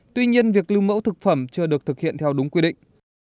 tuy nhiên việc lưu mẫu thực phẩm chưa được thực hiện theo đúng quy định